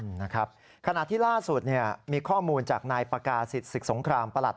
นะครับขณะที่ล่าสุดเนี่ยมีข้อมูลจากนายปากาศิษย์ศึกสงครามประหลัด